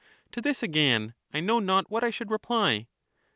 To this, again, I know not what I should reply.